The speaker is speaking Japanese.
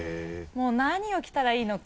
もう何を着たらいいのか。